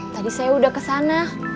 tadi saya udah kesana